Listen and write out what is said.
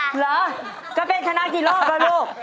เหรอก็เป็นชนะกี่รอบล่ะลูก